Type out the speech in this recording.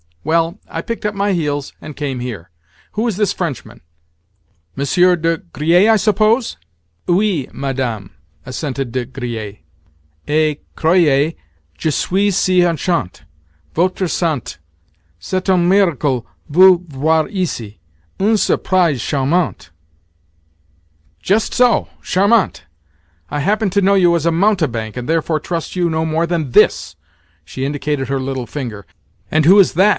Well, I picked up my heels, and came here. Who is this Frenchman? Monsieur de Griers, I suppose?" "Oui, madame," assented De Griers. "Et, croyez, je suis si enchanté! Votre santé—c'est un miracle vous voir ici. Une surprise charmante!" "Just so. 'Charmante!' I happen to know you as a mountebank, and therefore trust you no more than this." She indicated her little finger. "And who is _that?